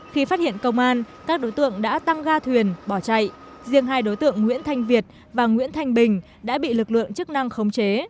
khi phát hiện công an các đối tượng đã tăng ga thuyền bỏ chạy riêng hai đối tượng nguyễn thanh việt và nguyễn thanh bình đã bị lực lượng chức năng khống chế